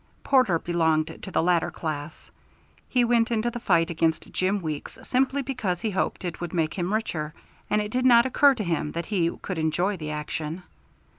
Porter belonged to the latter class. He went into the fight against Jim Weeks simply because he hoped it would make him richer, and it did not occur to him that he could enjoy the action.